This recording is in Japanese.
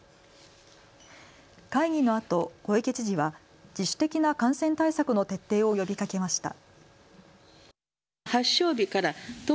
会議のあと小池知事は自主的な感染対策の徹底を呼びかけました。